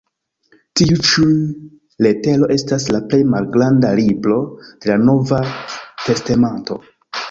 Tiu ĉi letero estas la plej malgranda "libro" de la Nova testamento.